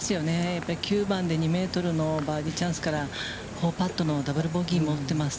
やっぱり９番で２メートルのバーディーチャンスから、４パットのダブル・ボギーも打っています。